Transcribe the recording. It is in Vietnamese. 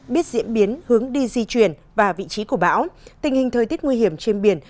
biết diễn biến hướng đi di chuyển và vị trí của bão tình hình thời tiết nguy hiểm trên biển